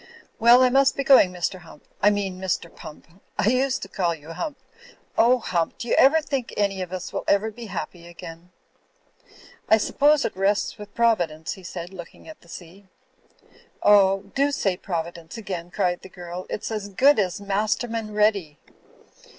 "Well, I must be going, Mr. Hump — I mean Mr. Pump^I used to call you Hump ... oh, Hump, do you think any of us will ever be happy again?" "I suppose it rests with Providence," he said, look ing at the sea. "Oh, do say Providence again!" cried the girl. "It's as good as 'Masterman Ready.'